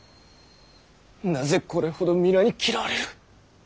なぜこれほど皆に嫌われる？